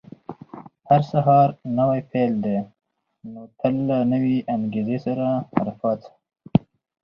• هر سهار نوی پیل دی، نو تل له نوې انګېزې سره راپاڅه.